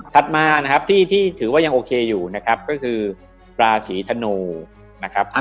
มานะครับที่ถือว่ายังโอเคอยู่นะครับก็คือราศีธนูนะครับ